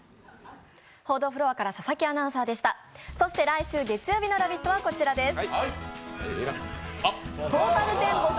来週の月曜日の「ラヴィット！」はこちらです。